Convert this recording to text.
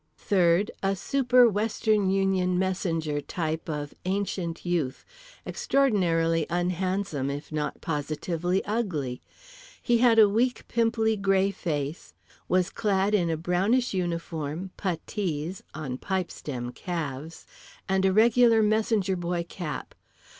Third, a super Western Union Messenger type of ancient youth, extraordinarily unhandsome if not positively ugly. He had a weak pimply grey face, was clad in a brownish uniform, puttees (on pipestem calves), and a regular Messenger Boy cap.